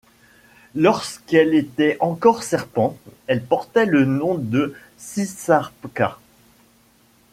Lorsqu'elle était encore serpent, elle portait le nom de Sisarqua.